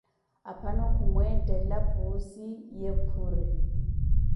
Aphano khumweettela Puuzi, ye khuri.